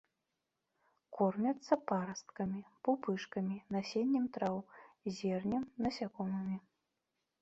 Кормяцца парасткамі, пупышкамі, насеннем траў, зернем, насякомымі.